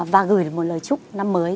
và gửi một lời chúc năm mới